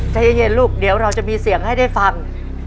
ใจเย็นลูกเดี๋ยวเราจะมีเสียงให้ได้ฟัง